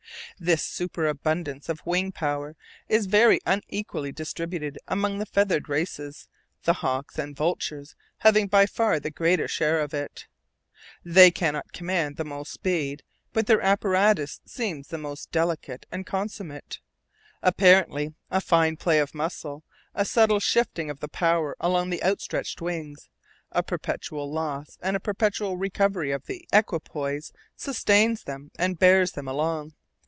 This superabundance of wing power is very unequally distributed among the feathered races, the hawks and vultures having by far the greater share of it. They cannot command the most speed, but their apparatus seems the most delicate and consummate. Apparently a fine play of muscle, a subtle shifting of the power along the outstretched wings, a perpetual loss and a perpetual recovery of the equipoise, sustains them and bears them along.